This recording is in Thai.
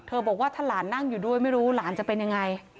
บอกว่าถ้าหลานนั่งอยู่ด้วยไม่รู้หลานจะเป็นยังไง